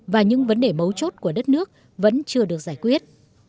và những vấn đề mấu chốt của đất nước vẫn chưa được giải quyết